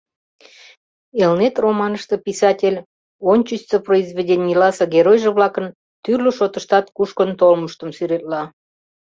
«Элнет» романыште писатель ончычсо произведенийласе геройжо-влакын тӱрлӧ шотыштат кушкын толмыштым сӱретла.